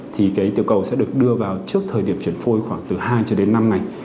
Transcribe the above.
thì cái tiểu cầu sẽ được đưa vào trước thời điểm chuyển phôi khoảng từ hai đến năm ngày